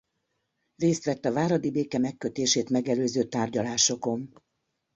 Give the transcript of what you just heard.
Részt vett a váradi béke megkötését megelőző tárgyalásokon.